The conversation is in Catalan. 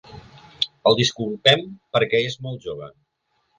El disculpem perquè és molt jove.